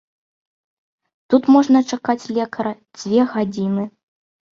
Тут можна чакаць лекара дзве гадзіны.